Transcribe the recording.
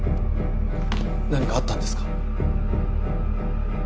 何かあったんですか。